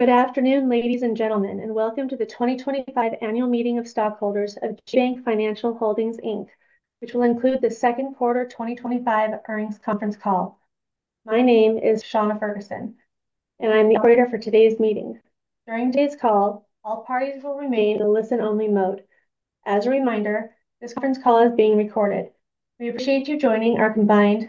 Good afternoon, ladies and gentlemen and welcome to the 2025 Annual Meeting of Stockholders of GBank Financial Holdings Inc, which will include the second quarter 2025 earnings conference call. My name is Shauna Ferguson and I'm the operator for today's meeting. During today's call, all parties will remain in the listen-only mode. As a reminder, this conference call is being recorded. We appreciate you joining our combined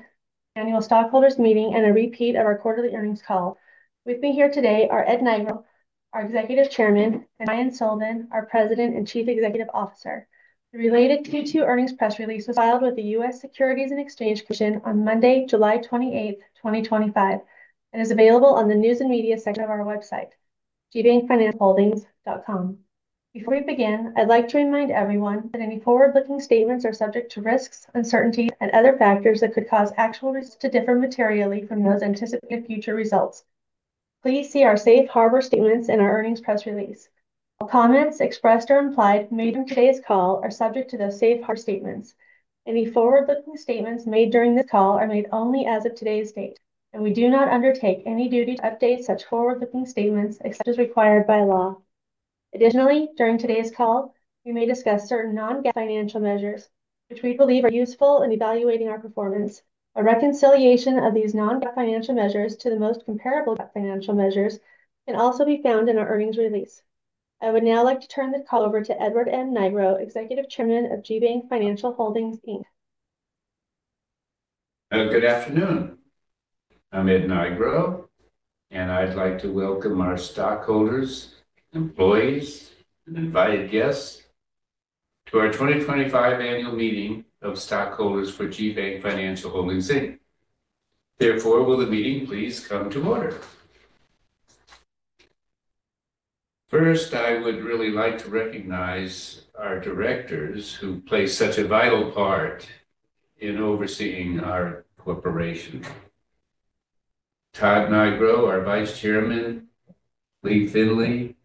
annual stockholders meeting and a repeat of our quarterly earnings call. With me here today are Ed Nigro, our Executive Chairman, and Ryan Sullivan, our President and Chief Executive Officer. The related Q2 earnings press release was filed with the U.S. Securities and Exchange Commission on Monday, July 28th, 2025, and is available on the news and media section of our website gbankfinancialholdings.com. Before we begin, I'd like to remind everyone that any forward-looking statements are subject to risks, uncertainty, and other factors that could cause actual results to differ materially from those anticipated future results. Please see our safe harbor statements in our earnings press release. Comments expressed or implied made in today's call are subject to the safe harbor statements. Any forward-looking statements made during the call are made only as of today's date and we do not undertake any duty to update such forward-looking statements except as required by law. Additionally, during today's call we may discuss certain non-GAAP financial measures which we believe are useful in evaluating our performance. A reconciliation of these non-GAAP financial measures to the most comparable GAAP financial measures can also be found in our earnings release. I would now like to turn the call over to Edward M. Nigro, Executive Chairman of GBank Financial Holdings Inc. Good afternoon, I'm Ed Nigro and I'd like to welcome our stockholders, employees and invited guests to our 2025 Annual Meeting of Stockholders for GBank Financial Holdings Inc. Therefore, will the meeting please come to order. First, I would really like to recognize our directors who play such a vital part in overseeing our corporation. Todd Nigro, our Vice Chairman, Lee Finley,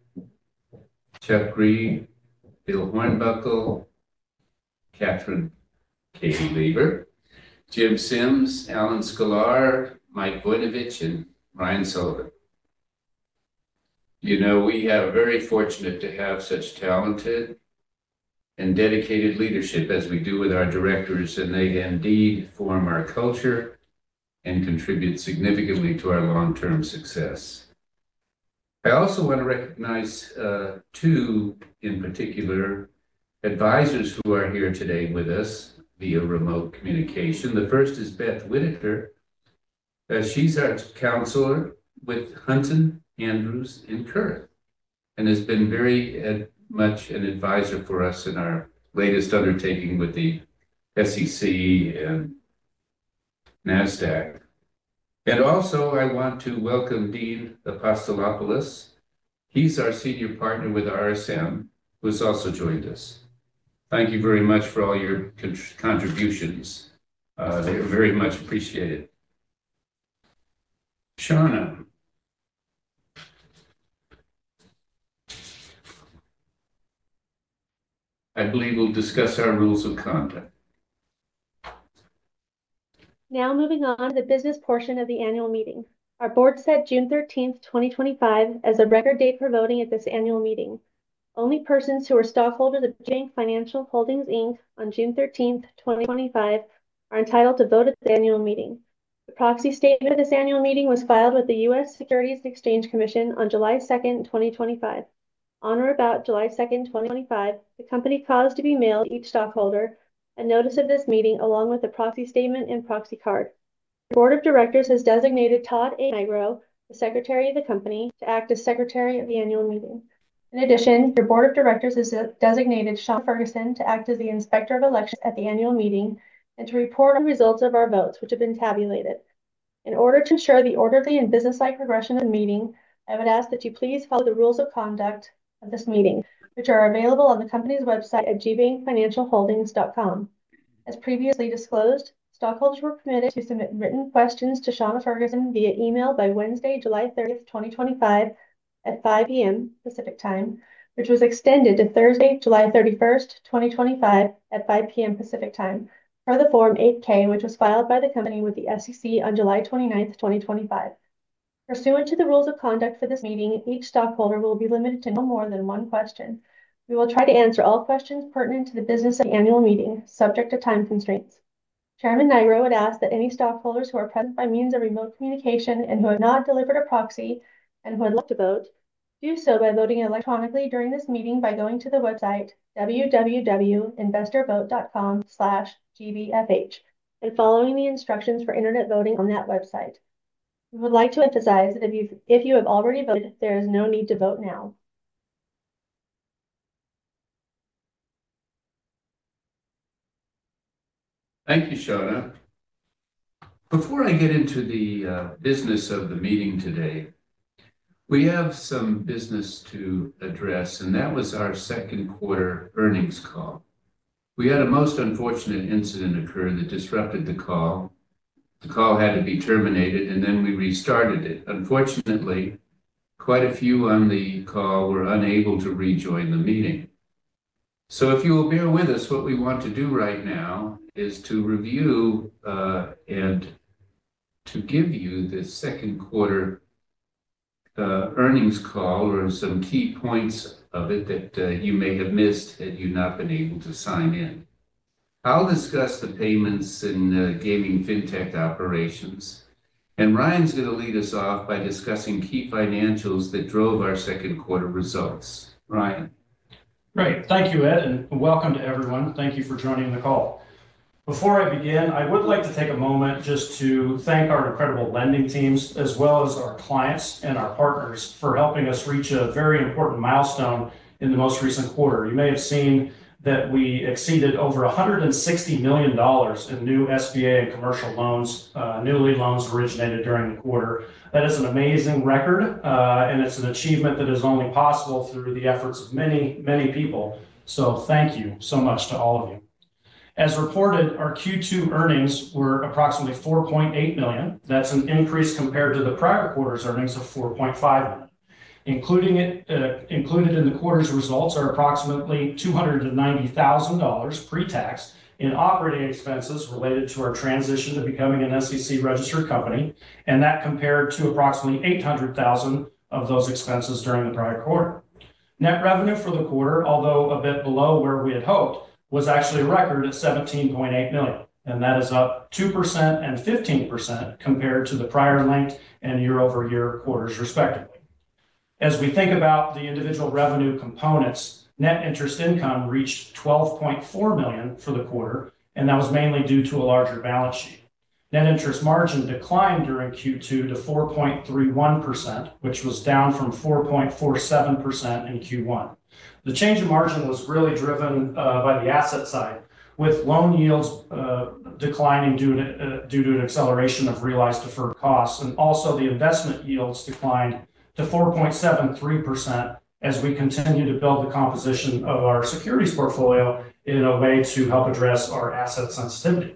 Chuck Griege, Bill Hornbuckle, Kathryn "Katie" Lever, Jim Sims, Alan Sklar, Mike Voinovich and Ryan Sullivan. You know, we are very fortunate to have such talented and dedicated leadership as we do with our directors and they indeed form our culture and contribute significantly to our long-term success. I also want to recognize two in particular advisors who are here today with us via remote communication. The first is Beth Whitaker. She's our counselor with Hunton Andrews Kurth and has been very much an advisor for us in our latest undertaking with the SEC and NASDAQ. I also want to welcome Dean Apostolopoulos. He's our Senior Partner with RSM who has also joined us. Thank you very much for all your contributions. They're very much appreciated. Shauna, I believe we'll discuss our rules of conduct. Now moving on to the business portion of the Annual Meeting. Our Board set June 13th, 2025 as a record date for voting at this Annual Meeting. Only persons who are stockholders of GBank Financial Holdings Inc on June 13th, 2025 are entitled to vote at the Annual Meeting. The proxy statement of this Annual Meeting was filed with the U.S. Securities and Exchange Commission on July 2nd, 2025. On or about July 2nd, 2025, the Company caused to be mailed to each stockholder a notice of this meeting along with a proxy statement and proxy card. The Board of Directors has designated Todd Nigro, the Secretary of the Company, to act as Secretary of the Annual Meeting. In addition, your Board of Directors has designated Shauna Ferguson to act as the Inspector of Elections at the Annual Meeting and to report on results of our votes which have been tabulated in order to ensure the orderly and businesslike progression of the meeting. I would ask that you please follow the rules of conduct of this meeting which are available on the Company's website at gbankfinancialholdings.com. As previously disclosed, stockholders were permitted to submit written questions to Shauna Ferguson via email by Wednesday, July 30th, 2025 at 5:00 P.M. Pacific Time, which was extended to Thursday, July 31st, 2025 at 5:00 P.M. Pacific Time for the Form 8-K, which was filed by the Company with the SEC on July 29th, 2025. Pursuant to the rules of conduct for this meeting, each stockholder will be limited to no more than one question. We will try to answer all questions pertinent to the business of the Annual Meeting subject to time constraints. Chairman Nigro would ask that any stockholders who are present by means of remote communication and who have not delivered a proxy and would like to vote, do so by voting electronically during this meeting by going to the website www.investorvote.com/CBFH and following the instructions for Internet voting on that website. We would like to emphasize that if you have already voted, there is no need to vote now. Thank you, Shauna. Before I get into the business of the meeting today, we have some business to address and that was our second quarter earnings call. We had a most unfortunate incident occur that disrupted the call. The call had to be terminated and then we restarted it. Unfortunately, quite a few on the call were unable to rejoin the meeting. If you will bear with us, what we want to do right now is to review and to give you the second quarter earnings call or some key points of it that you may have missed had you not been able to sign in. I'll discuss the payments in gaming FinTech operations and Ryan's going to lead us off by discussing key financials that drove our second quarter results. Ryan, right. Thank you, Ed. And welcome to everyone. Thank you for joining the call. Before I begin, I would like to take a moment just to thank our incredible lending teams as well as our clients and our partners for helping us reach a very important milestone. In the most recent quarter, you may have seen that we exceeded over $160 million in new SBA and commercial loans, newly loans originated during the quarter. That is an amazing record and it's an achievement that is only possible through the efforts of many, many people. So, T=thank you so much to all of you. As reported, our Q2 earnings were approximately $4.8 million. That's an increase compared to the prior quarter's earnings of $4.5 million. Included in the quarter's results are approximately $290,000 pre-tax in operating expenses related to our transition to becoming an SEC-registered company, and that compared to approximately $800,000 of those expenses during the prior quarter. Net revenue for the quarter, although a bit below where we had hoped, was actually a record at $17.8 million and that is up 2% and 15% compared to the prior length and year-over-year quarters respectively. As we think about the individual revenue components, net interest income reached $12.4 million for the quarter, and that was mainly due to a larger balance sheet. Net interest margin declined during Q2 to 4.31%, which was down from 4.47% in Q1. The change in margin was really driven by the asset side, with loan yields declining due to an acceleration of realized deferred costs. Also, the investment yields declined to 4.73% as we continue to build the composition of our securities portfolio in a way to help address our asset sensitivity.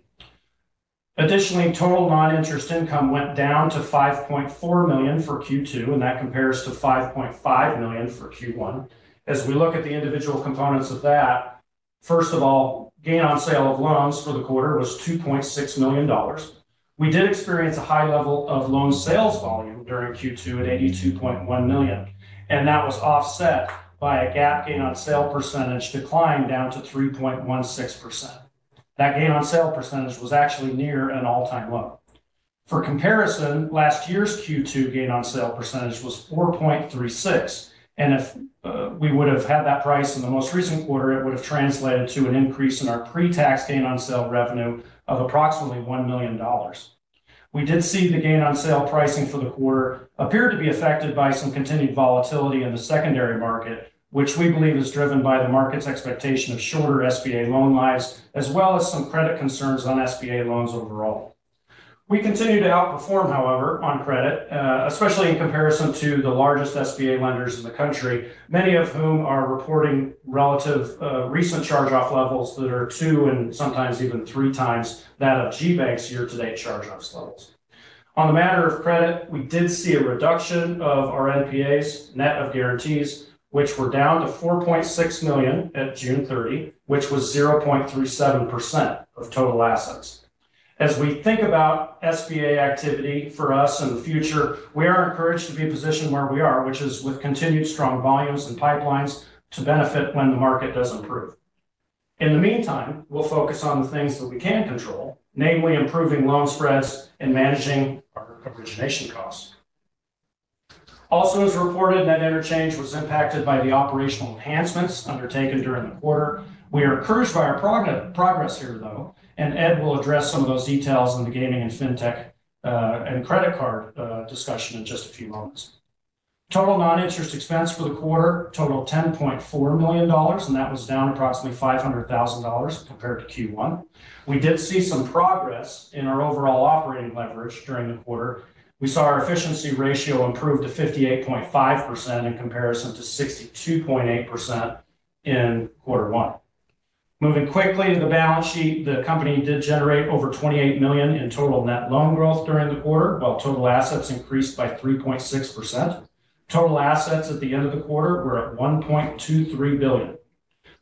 Additionally, total non-interest income went down to $5.4 million for Q2 and that compares to $5.5 million for Q1. As we look at the individual components of that, first of all, gain on sale of loans for the quarter was $2.6 million. We did experience a high level of loan sales volume during Q2 at $82.1 million, and that was offset by a GAAP gain on sale percentage decline down to 3.16%. That gain on sale percentage was actually near an all-time low. For comparison, last year's Q2 gain on sale percentage was 4.36% and if we would have had that price in the most recent quarter it would have translated to an increase in our pre-tax gain on sale revenue of approximately $1 million. We did see the gain on sale pricing for the quarter appeared to be affected by some continued volatility in the secondary market, which we believe is driven by the market's expectation of shorter SBA loan lives as well as some credit concerns on SBA loans overall. We continue to outperform however on credit, especially in comparison to the largest SBA lenders in the country, many of whom are reporting relative recent charge-off levels that are two and sometimes even three times that of GBank's year-to-date charge-off totals. On the matter of credit, we did see a reduction of our NPAs net of guarantees which were down to $4.6 million at June 30, which was 0.37% of total assets. As we think about SBA activity for us in the future, we are encouraged to be positioned where we are, which is with continued strong volumes and pipelines to benefit when the market does improve. In the meantime, we'll focus on the things that we can control, namely improving loan stress and managing origination costs. Also, as reported, net interchange was impacted by the operational enhancements undertaken during the quarter. We are encouraged by our progress here though, and Ed will address some of those details in the gaming and FinTech and credit card discussion in just a few moments. Total non-interest expense for the quarter totaled $10.4 million and that was down approximately $500,000 compared to Q1. We did see some progress in our overall operating leverage during the quarter. We saw our efficiency ratio improve to 58.5% in comparison to 62.8% in quarter one. Moving quickly to the balance sheet, the company did generate over $28 million in total net loan growth during the quarter while total assets increased by 3.6%. Total assets at the end of the quarter were at $1.23 billion.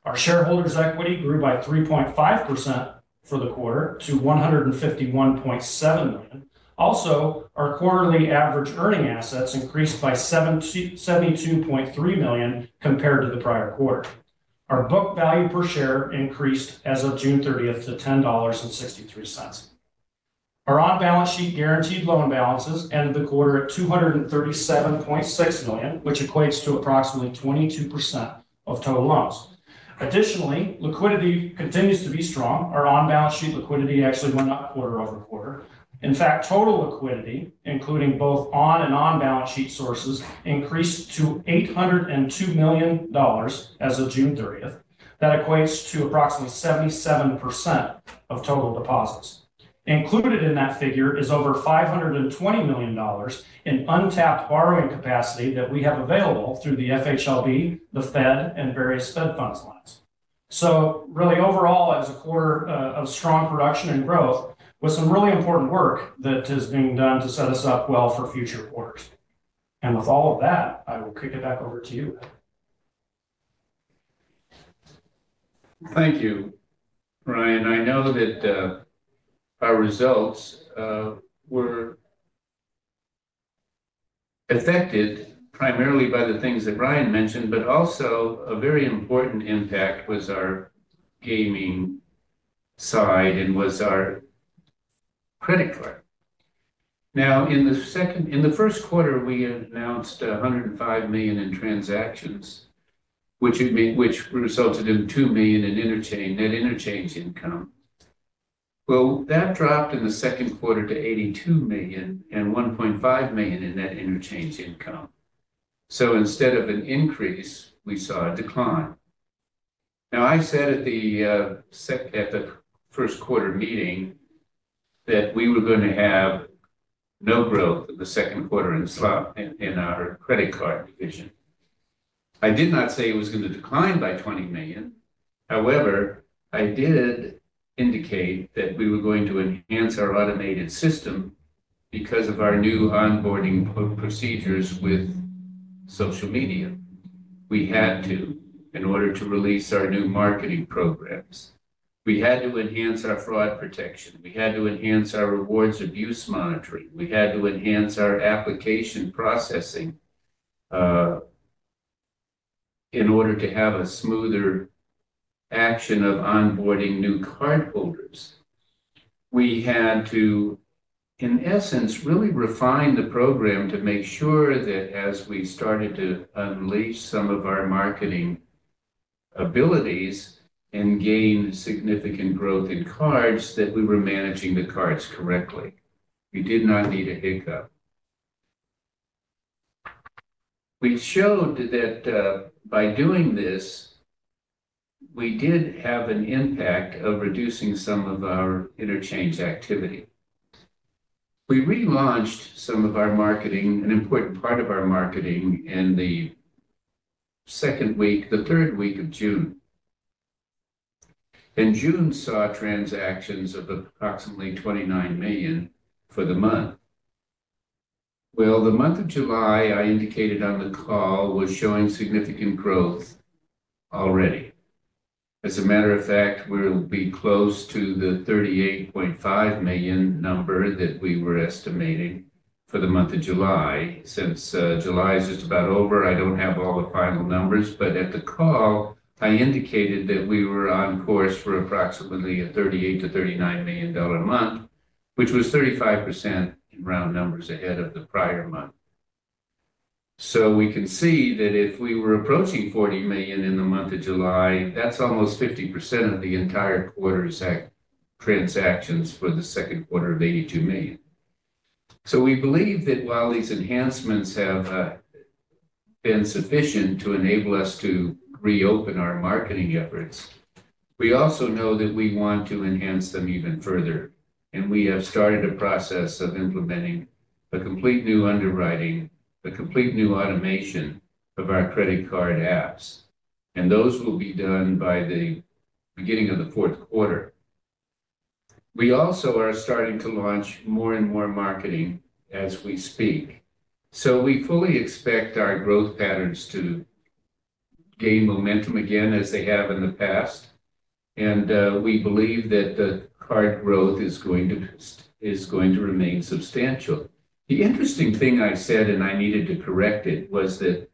Our shareholders' equity grew by 3.5% for the quarter to $151.7 million. Also, our quarterly average earning assets increased by $72.3 million compared to the prior quarter. Our book value per share increased as of June 30th to $10.63. Our on-balance sheet guaranteed loan balances ended the quarter at $237.6 million, which equates to approximately 22% of total loans. Additionally, liquidity continues to be strong. Our on-balance sheet liquidity actually went up quarter-over-quarter. In fact, total liquidity, including both on and off-balance sheet sources, increased to $802 million as of June 30th. That equates to approximately 77% of total deposits. Included in that figure is over $520 million in untapped borrowing capacity that we have available through the FHLB, the Fed, and various Fed funds lines. So, really overall, it was a quarter of strong production and growth with some really important work that is being done to set us up well for future orders. With all of that, I will kick it back over to you, Ed. Thank you, Ryan. I know that our results were affected primarily by the things that Ryan mentioned, but also a very important impact was our gaming side and was our credit card. In the first quarter we announced $105 million in transactions which resulted in $2 million in net interchange income. That dropped in the second quarter to $82 million and $1.5 million in net interchange income. So, instead of an increase, we saw a decline. I said at the first quarter meeting that we were going to have no growth in the second quarter in slot in our credit card division. I did not say it was going to decline by $20 million. However, I did indicate that we were going to enhance our automated system because of our new onboarding procedures with social media. We had to in order to release our new marketing programs. We had to enhance our fraud protection, we had to enhance our rewards abuse monitoring, we had to enhance our application processing in order to have a smoother action of onboarding new cardholders. We had to in essence, really refine the program to make sure that as we started to unleash some of our marketing abilities and gain significant growth in cards, we were managing the cards correctly. We did not need a hiccup. We showed that by doing this we did have an impact of reducing some of our interchange activity. We relaunched some of our marketing, an important part of our marketing in the second week, the third week of June and June saw transactions of approximately $29 million for the month. Well, the month of July I indicated on the call was showing significant growth already. As a matter of fact, we'll be close to the $38.5 million number that we were estimating for the month of July. Since July is just about over, I don't have all the final numbers, but at the call I indicated that we were on course for approximately a $38 million-$39 million a month, which was 35% round numbers ahead of the prior month. We can see that if we were approaching $40 million in the month of July, that's almost 50% of the entire quarter's transactions for the second quarter of $82 million. So, we believe that while these enhancements have been sufficient to enable us to reopen our marketing efforts, we also know that we want to enhance them even further. And, we have started the process of implementing a complete new underwriting, a complete new automation of our credit card apps. Those will be done by the beginning of the fourth quarter. We also are starting to launch more and more marketing as we speak. So, we fully expect our growth patterns to gain momentum again as they have in the past. We believe that the card growth is going to remain substantial. The interesting thing I said, and I needed to correct it, was that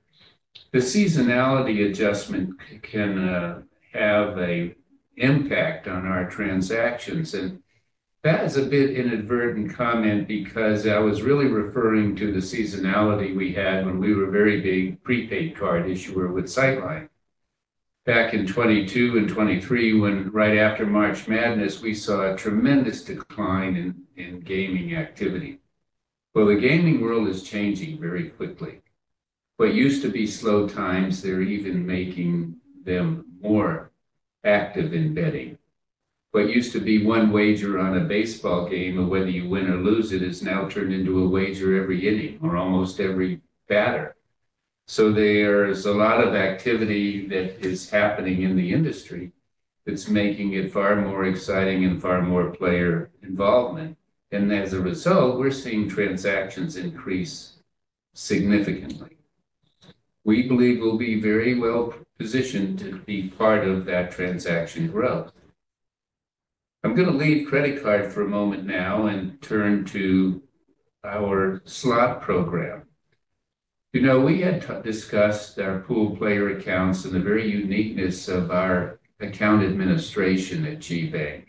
the seasonality adjustment we can have an impact on our transactions. That is a bit inadvertent comment because I was really referring to the seasonality we had when we were very big prepaid card issuer with CyberEye back in 2022 and 2023, when right after March Madness we saw a tremendous decline in gaming activity. The gaming world is changing very quickly. What used to be slow times, they're even making them more active in betting. What used to be one wager on a baseball game of whether you win or lose, it is now turned into a wager every inning or almost every batter. There is a lot of activity that is happening in the industry that's making it far more exciting and far more player involvement. As a result, we're seeing transactions increase significantly. We believe we'll be very well-positioned to be part of that transaction growth. I'm going to leave credit card for a moment now and turn to our slot program. You know we had discussed our pooled player accounts and the very uniqueness of our account administration at GBank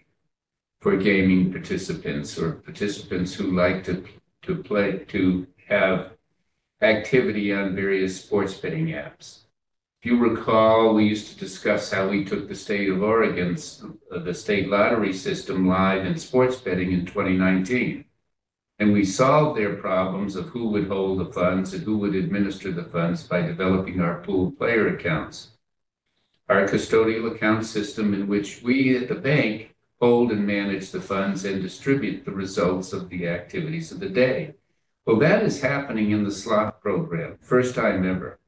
for gaming participants or participants who like to play to have activity on various sports betting apps. If you recall, we used to discuss how we took the state of Oregon's of the state lottery system live in sports betting in 2019. We solved their problems of who would hold the funds and who would administer the funds by developing our pooled player accounts, our custodial account system in which we at the bank hold and manage the funds and distribute the results of the activities of the day. That is happening in the slot program. First time ever,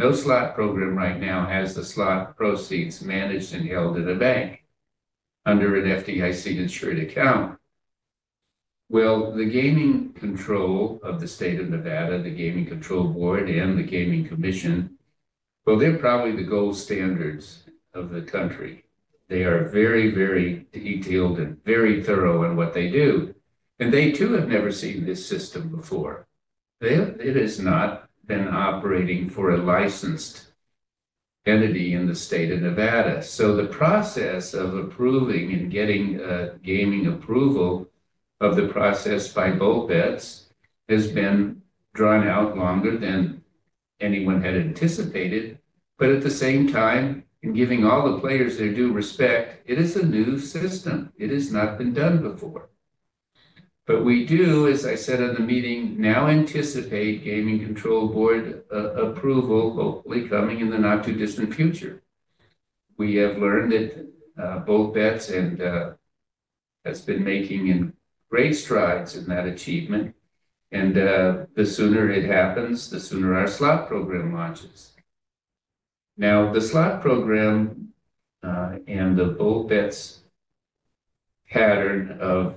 no slot program right now has the slot proceeds managed and held at a bank under an FDIC-insured account. Well, the gaming control of the state of Nevada, the Gaming Control Board and the Gaming Commission, they probably the gold standards of the country. They are very, very detailed and very thorough on what they do. They too have never seen this system before. It has not been operating for a licensed entity in the state of Nevada. So, the process of approving and getting gaming approval of the process by BoltBetz has been drawn out longer than anyone had anticipated. At the same time, in giving all the players their due respect, it is a new system. It has not been done before. As I said in the meeting, we now anticipate Gaming Control Board approval, hopefully coming in the not-too-distant future. We have learned that BoltBetz has been making great strides in that achievement. The sooner it happens, the sooner our slot program launches. The slot program and the BoltBetz pattern of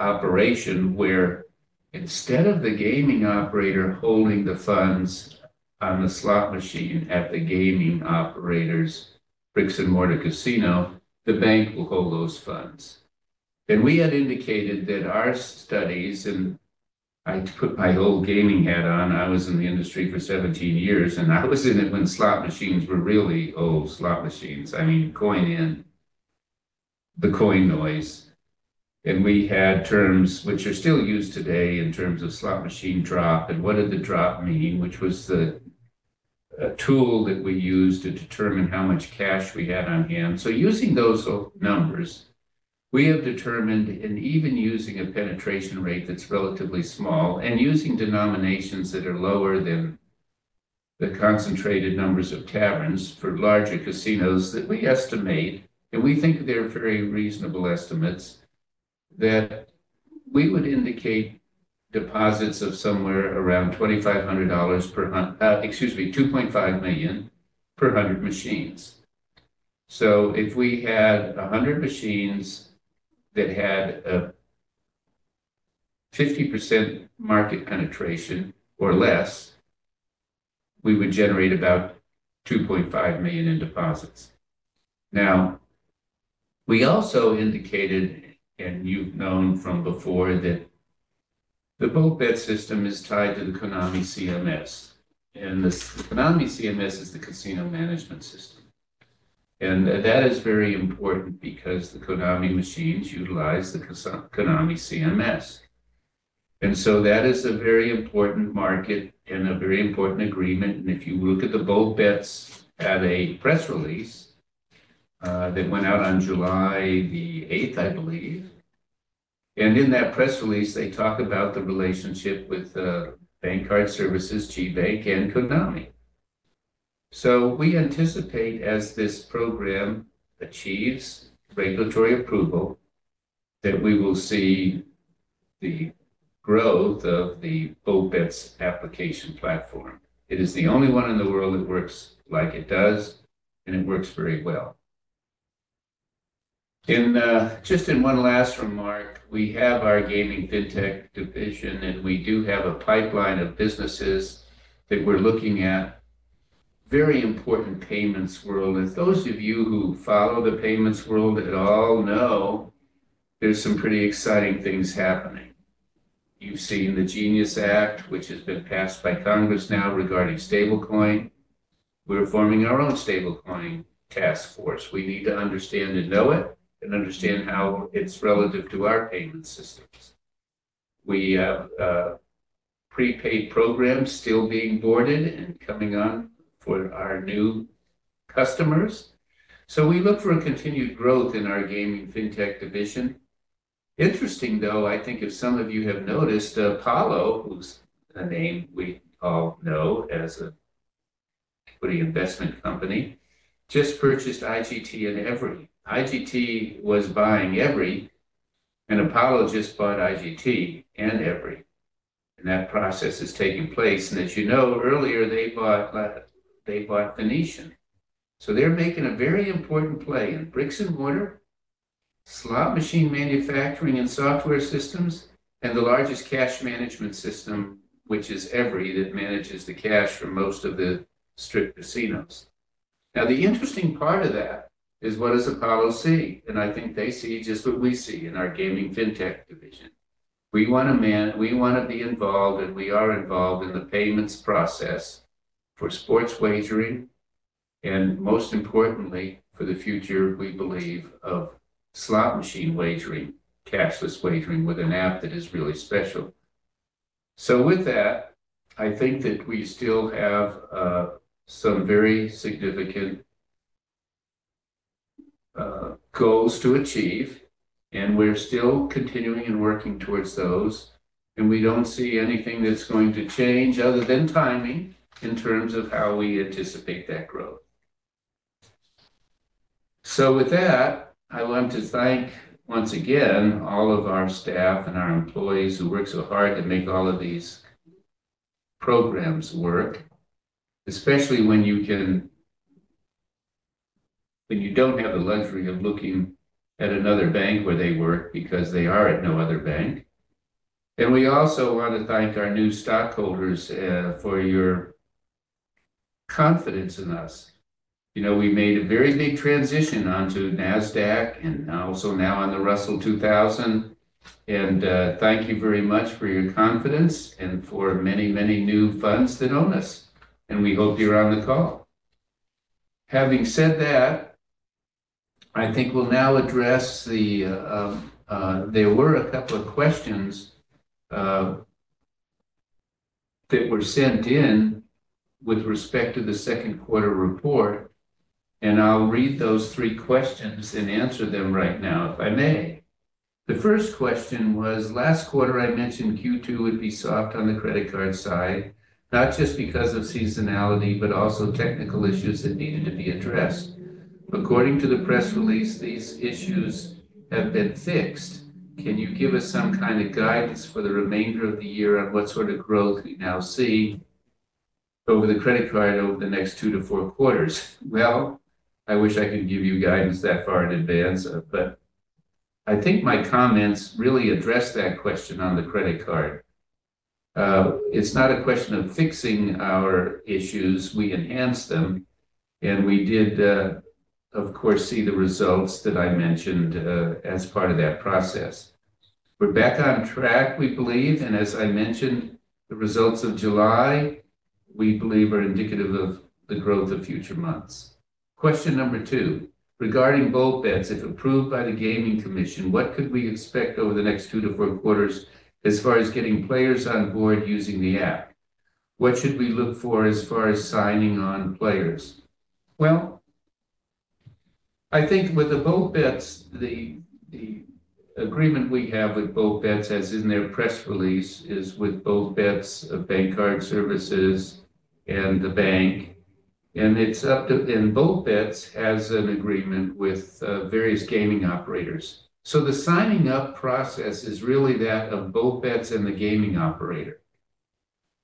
operation, where instead of the gaming operator holding the funds on the slot machine at the gaming operator's bricks and mortar casino, the bank will hold those funds. And, we had indicated that our studies, and I put my old gaming hat on—I was in the industry for 17 years, and I was in it when slot machines were really old slot machines, I mean, going in the coin noise. We had terms which are still used today in terms of slot machine drop. What did the drop mean, which was the tool that we used to determine how much cash we had on hand? So, using those numbers, we have determined, and even using a penetration rate that's relatively small and using denominations that are lower than the concentrated numbers of taverns for larger casinos, that we estimate, and we think that they're very reasonable estimates, that we would indicate deposits of somewhere around $2500 dollars per month, excuse me $2.5 million per 100 machines. So, if we had 100 machines that had a 50% market penetration or less, we would generate about $2.5 million in deposits. Now, we also indicated, and you've known from before, that the BoltBetz system is tied to the Konami CMS. The Konami CMS is the casino management system, and that is very important because the Konami machines utilize the Konami CMS. So, that is a very important market in a very important agreement. If you look at the BoltBetz L.A. press release that went out on July 8th, I believe, in that press release they talk about the relationship with bank card services, GBank, and Konami. So, we anticipate as this program achieves regulatory approval that we will see the growth of the OP-EDS application platform. It is the only one in the world that works like it does and works very well. In one last remark, we have our Gaming FinTech division, and we do have a pipeline of businesses that we're looking at in the very important payments world. As those of you who follow the payments world at all know, there's some pretty exciting things happening. You've seen the GENIUS Act which has been passed by Congress. Now regarding stablecoin, we're forming our own stablecoin task force. We need to understand and know it and understand how it's relative to our payment systems. We have prepaid programs still being boarded coming on for our new customers. We look for a continued growth in our Gaming FinTech division. Interesting though, I think if some of you have noticed, Apollo, who's a name we all know as a pretty investment company, just purchased IGT and Everi. IGT was buying Everi and Apollo just bought IGT and Everi and that process is taking place. As you know, earlier they bought, they bought Phoenicia. They're making a very important play in bricks and mortar slot machine manufacturing and software systems and the largest cash management system, which is Everi, that manages the cash for most of the strip casinos. The interesting part of that is what does Apollo see? I think they see just what we see in our Gaming FinTech division. We want to be involved and we are involved in the payments process for sports wagering and most importantly for the future, we believe, of slot machine wagering, cashless wagering with an app that is really special. So, with that, I think that we still have some very significant goals to achieve and we're still continuing and working towards those. We don't see anything that's going to change other than timing in terms of how we anticipate that growth. With that, I want to thank once again all of our staff and our employees who work so hard to make all of these programs work, especially when you don't have a luxury of looking at another bank where they work because they are at no other bank. We also want to thank our new stockholders for your confidence in us. You know, we made a very neat transition onto NASDAQ and also now on the Russell 2000. Thank you very much for your confidence and for many, many new funds that own us. We hope you're on the call. Having said that, I think we'll now address the, there were a couple of questions that were sent in with respect to the second quarter report. I'll read those three questions and answer them right now, if I may. The first question was last quarter I mentioned Q2 would be soft on the credit card side not just because of seasonality but also technical issues that need to be addressed. According to the press release, these issues have been fixed. Can you give us some kind of guidance for the remainder of the year of what sort of growth we now see over the credit card over the next 2-4 quarters? I wish I could give you guidance that far in advance, but I think my comments really address that question on the credit card. It's not a question of fixing our issues, we enhance them. We did of course see the results that I mentioned as part of that process. We're back on track, we believe. As I mentioned, the results of July we believe are indicative of the growth of future months. Question number two regarding BoltBetz, if approved by the Gaming Commission, what could we expect over the next 2-4 quarters? As far as getting players on board using the app, what should we look for as far as signing on players? I think with the BoltBetz, the agreement we have with BoltBetz as in their press release is with BoltBetz Bank Card Services and the bank and it's up to them. BoltBetz has an agreement with various gaming operators. The signing-up process is really that of BoltBetz and the gaming operator.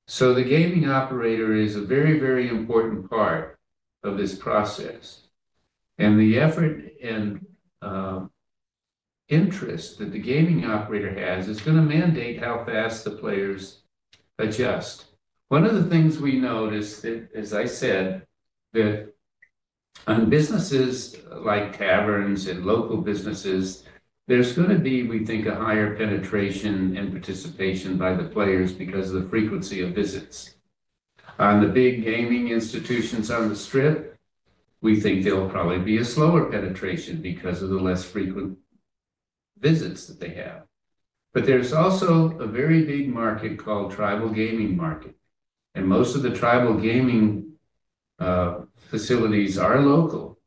So, the gaming operator is a very, very important part of this process. The effort and interest that the gaming operator has is going to mandate how fast the players adjust. One of the things we notice, as I said, that on businesses like taverns and local businesses there's going to be, we think, a higher penetration and participation by the players because of the frequency of visits. On the big gaming institutions on the Strip, we think there will probably be a slower penetration because of the less frequent visits that they have. There's also a very big market called the Tribal Gaming Market. Most of the tribal gaming facilities are local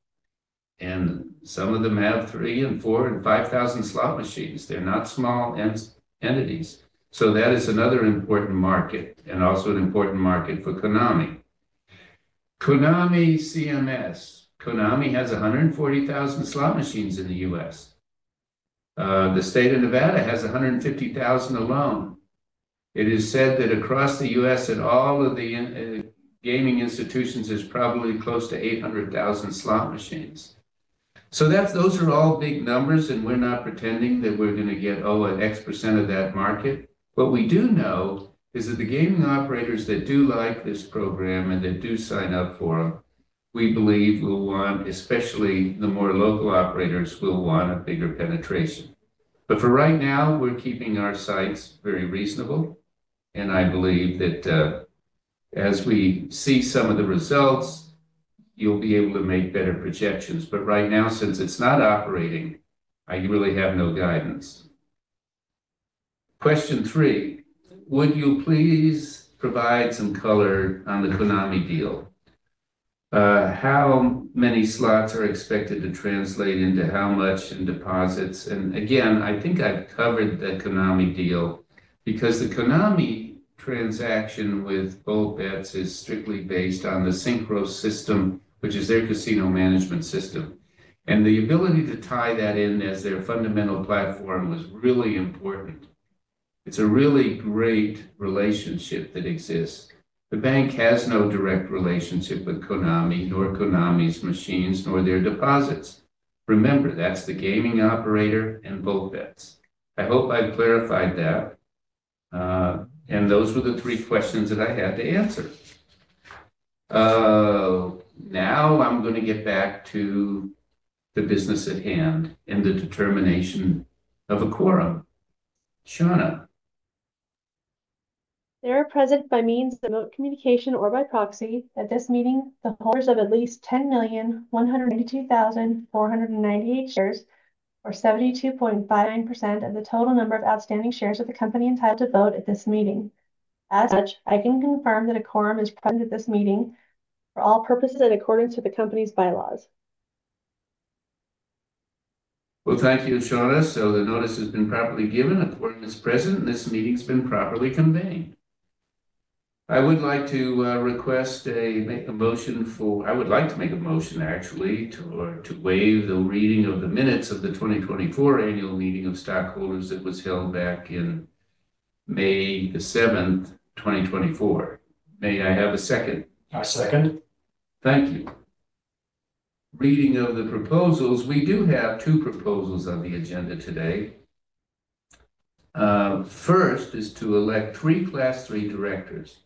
and some of them have three and four and 5,000 slot machines. They're not small entities. That is another important market and also an important market for Konami. Konami CMS, Konami has 140,000 slot machines in the U.S. The state of Nevada has 150,000 alone. It is said that across the U.S. at all of the gaming institutions there's probably close to 800,000 slot machines. Those are all big numbers. We're not pretending that we're going to get an X % of that market. What we do know is that the gaming operators that do like this program and that do sign up for it, we believe, will want, especially the more local operators, will want a bigger penetration. For right now, we're keeping our sights very reasonable. I believe that as we see some of the results, you'll be able to make better projections. Right now, since it's not operating, I really have no guidance. Question 3. Would you please provide some color on the Konami deal? How many slots are expected to translate into how much in deposits? I think I've covered the Konami deal because the Konami transaction with OP-EDS is strictly based on the SYNKROS system, which is their casino management system. The ability to tie that in as their fundamental platform was really important. It's a really great relationship that exists. The bank has no direct relationship with Konami, nor Konami's machines, nor their deposits. Remember, that's the gaming operator and bullpens. I hope I've clarified that. Those were the three questions that I had to answer. Now I'm going to get back to the business at hand and the determination of a quorum. Shauna. They are present by means, remote communication or by proxy at this meeting, the holders of at least 10,192,498 shares, or 72.59% of the total number of outstanding shares of the company entitled to vote at this meeting. As such, I can confirm that a quorum is present at this meeting for all purposes in accordance with the company's bylaws. Thank you, Shauna. So, the notice has been properly given, a quorum is present, and this meeting has been properly conveyed. I would like to I request a make a motion for, I would like to make a motion to actually waive the reading of the minutes of the 2024 Annual Meeting of Stockholders that was held back in May 7th, 2024. May I have a second? A second, thank you. Reading of the proposals? We do have two proposals on the agenda today. First is to elect three Class 3 directors.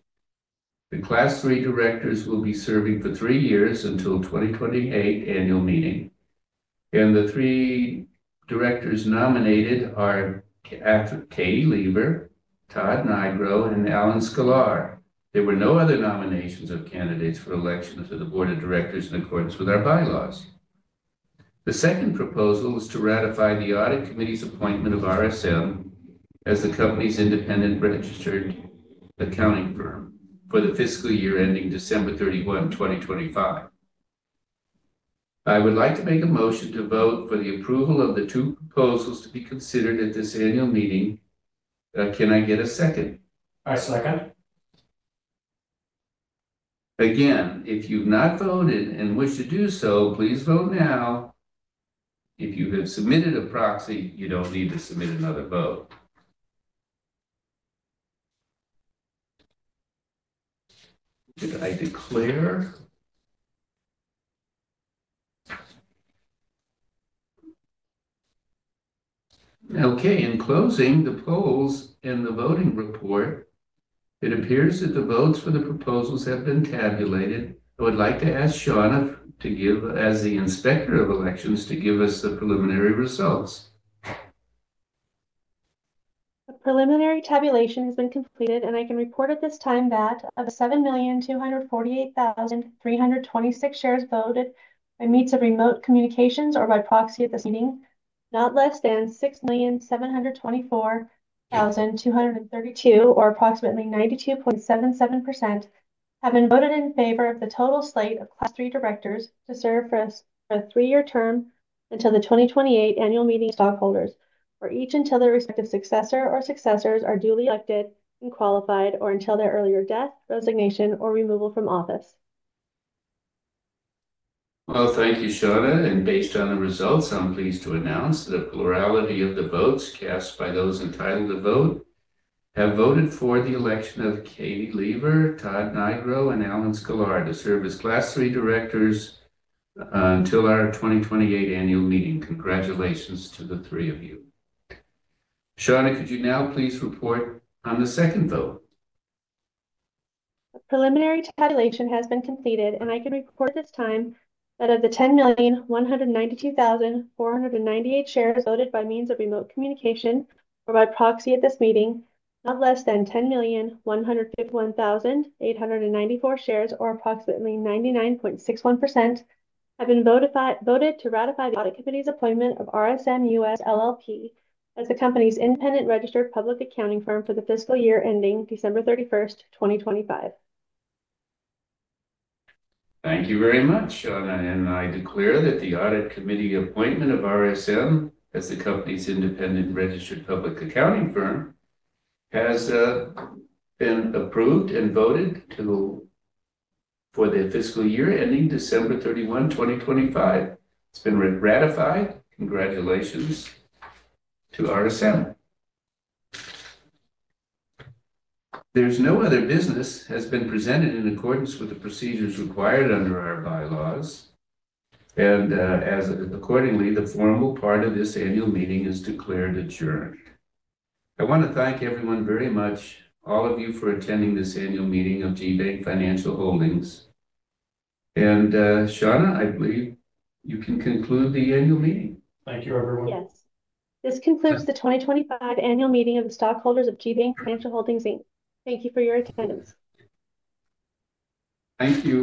The Class 3 directors will be serving for three years until the 2028 annual meeting. The three directors nominated are Katie Lever, Todd Nigro, and Alan Sklar. There were no other nominations of candidates for election too the Board of Directors in accordance with our bylaws. The second proposal is to ratify the Audit Committee's appointment of RSM as the company's independent registered accounting firm for the fiscal year ending December 31, 2025. I would like to make a motion to vote for the approval of the two proposals to be considered at this annual meeting. Can I get a second? A second. Yeah, if you've not voted and wish to do so, please vote now. If you have submitted a proxy, you don't need to submit another vote. I declare. Okay, in closing the polls and the voting report, it appears that the votes for the proposals have been tabulated. I would like to ask Shauna, to give as the Inspector of Elections, to give us the preliminary results. The preliminary tabulation has been completed, and I can report at this time that of 7,248,326 shares voted by means of remote communications or by proxy at this meeting, not less than 6,724,232, or approximately 92.77%, have been voted in favor of the total slate of Class 3 directors to serve for a three-year term until the 2028 annual meeting, stockholders for each until their respective successor or successors are duly elected and qualified or until their earlier death, resignation, or removal from office. Thank you, Shauna. Based on the results, I'm pleased to announce the plurality of the votes cast by those entitled to vote have voted for the election of Katie Lever, Todd Nigro, and Alan Sklar to serve as Class 3 directors until our 2028 annual meeting. Congratulations to the three of you. Shauna, could you now please report on the second vote? Preliminary validation has been completed and I can report this time that of the 10,192,498 shares voted by means of remote communication or by proxy at this meeting, not less than 10,151,894 shares, or approximately 99.61%, have been voted to ratify the Audit Committee's appointment of RSM US LLP as the company's independent registered public accounting firm for the fiscal year ending December 31st, 2025. Thank you very much, Shauna. And, I declare that the Audit Committee appointment of RSM as the company's independent registered public accounting firm has been approved and voted for the fiscal year ending December 31, 2025. [guess- It's been gratified]. Congratulations to RSM. No other business has been presented in accordance with the procedures required under our bylaws. And as accordingly, the formal part of this annual meeting is declared at [guess-an end]. I want to thank everyone very much, all of you, for attending this annual meeting of GBank Financial Holdings and Shauna, I believe you can conclude the annual meeting. Thank you, everyone. Yes, this concludes the 2025 Annual Meeting of the stockholders of GBank Financial Holdings Inc. Thank you for your attendance. Thank you.